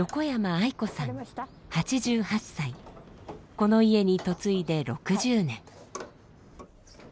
この家に嫁いで６０年。